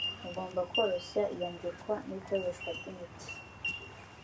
mugomba koroshya iyandikwa n’ikoreshwa ry’imiti.